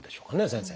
先生。